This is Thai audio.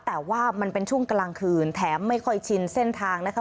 แต่ว่ามันเป็นช่วงกลางคืนแถมไม่ค่อยชินเส้นทางนะคะ